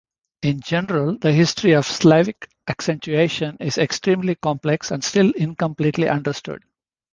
In general, the history of Slavic accentuation is extremely complex and still incompletely understood.